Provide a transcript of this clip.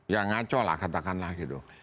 ya ngaco lah katakanlah gitu